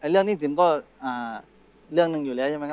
หนี้สินก็เรื่องหนึ่งอยู่แล้วใช่ไหมครับ